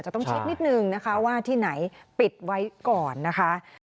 ต้องเช็คนิดนึงนะคะว่าที่ไหนปิดไว้ก่อนนะคะ